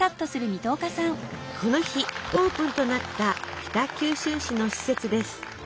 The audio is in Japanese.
この日オープンとなった北九州市の施設です。